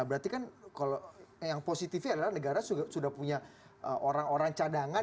berarti kan kalau yang positifnya adalah negara sudah punya orang orang cadangan